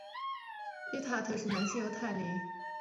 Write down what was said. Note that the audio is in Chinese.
塔利特是男性犹太教徒在礼拜时穿着的一种披肩。